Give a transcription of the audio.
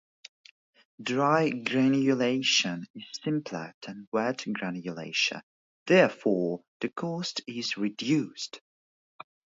Dry granulation is simpler than wet granulation, therefore the cost is reduced.